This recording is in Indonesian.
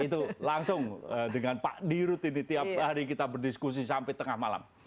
itu langsung dengan pak dirut ini tiap hari kita berdiskusi sampai tengah malam